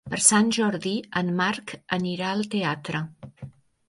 Per Sant Jordi en Marc anirà al teatre.